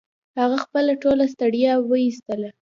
هغه خپله ټوله ستړيا و ایستله